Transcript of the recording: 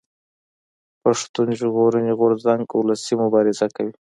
پښتون ژغورني غورځنګ اولسي مبارزه کوي